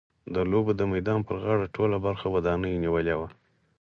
د لوبو د میدان پر غاړه ټوله برخه ودانیو نیولې وه.